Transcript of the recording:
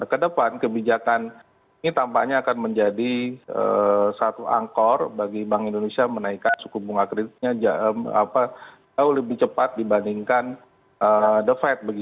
kedepan kebijakan ini tampaknya akan menjadi satu angkor bagi bank indonesia menaikkan suku bunga kreditnya jauh lebih cepat dibandingkan the fed